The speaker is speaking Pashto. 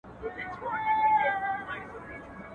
توره کښلې، کونه کښلې.